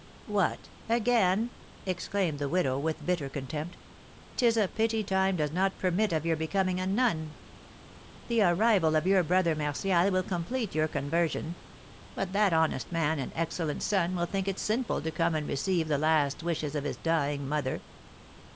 "What! Again?" exclaimed the widow, with bitter contempt. "'Tis a pity time does not permit of your becoming a nun! The arrival of your brother Martial will complete your conversion; but that honest man and excellent son will think it sinful to come and receive the last wishes of his dying mother!"